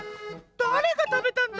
だれがたべたんだ？